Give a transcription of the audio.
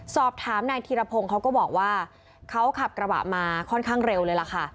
สอบถามนายธีรพงศ์เขาก็บอกว่าเขาขับกระบะมาค่อนข้างเร็วเลยล่ะค่ะ